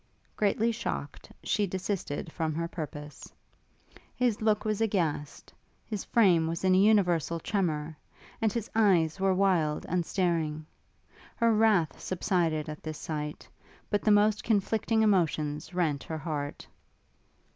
Greatly shocked, she desisted from her purpose. His look was aghast, his frame was in a universal tremour, and his eyes were wild and starting. Her wrath subsided at this sight, but the most conflicting emotions rent her heart.